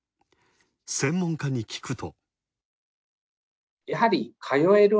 専門家に聞くと。